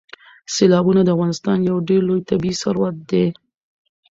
سیلابونه د افغانستان یو ډېر لوی طبعي ثروت دی.